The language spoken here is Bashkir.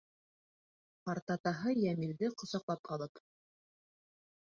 Ҡартатаһы Йәмилде ҡосаҡлап алып: